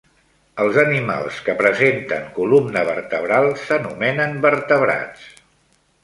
Els animals que presenten columna vertebral s'anomenen vertebrats.